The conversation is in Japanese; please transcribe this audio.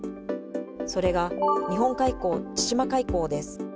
それが日本海溝・千島海溝です。